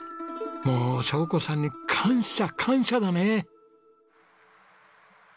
もう晶子さんに感謝感謝だね！